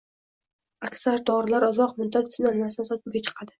Aksar dorilar uzoq muddat sinalmasdan sotuvga chiqadi.